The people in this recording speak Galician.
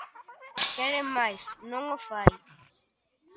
Queren, mais non o fai.